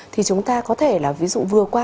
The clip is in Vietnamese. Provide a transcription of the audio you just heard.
thì chúng ta có thể là ví dụ vừa qua